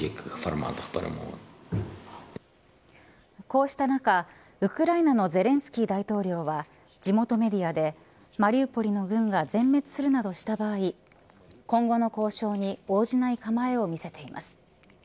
こうした中ウクライナのゼレンスキー大統領は地元メディアでマリウポリの軍が全滅するなどした場合今後の交渉に応じない構えを見せています。